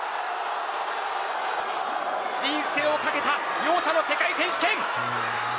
人生をかけた両者の世界選手権。